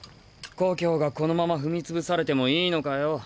故郷がこのまま踏み潰されてもいいのかよ？